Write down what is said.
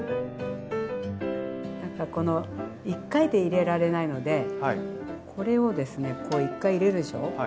何かこの１回で入れられないのでこれをですねこう１回入れるでしょう？